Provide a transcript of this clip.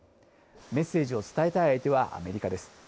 メッセージを伝えたい相手は、アメリカです。